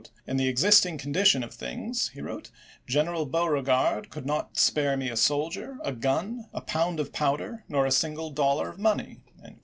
" In the existing condi tion of things," he wrote, " General Beauregard could not spare me a soldier, a gun, a pound of powder, nor a single dollar of money."